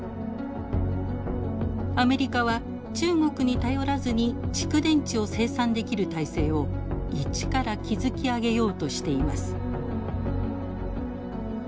アメリカは中国に頼らずに蓄電池を生産できる体制を一から築き上げようとしています。